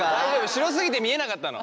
白すぎて見えなかったの。